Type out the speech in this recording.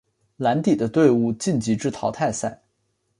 蓝底的队伍晋级至淘汰赛。